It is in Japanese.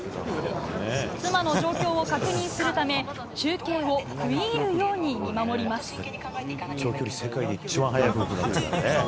妻の状況を確認するため中継を食い入るように見守ります。